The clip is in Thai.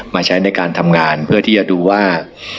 มาใช้ในการทำงานเพื่อที่จะดูว่า